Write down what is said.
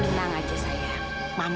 tenang saja sayang